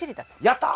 やった！